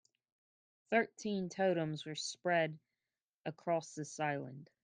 Thirteen totems were spread across this island.